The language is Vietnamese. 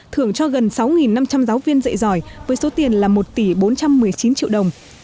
thưởng cho gần sáu năm trăm linh giáo viên dạy giỏi với số tiền là một tỷ bốn trăm một mươi chín triệu đồng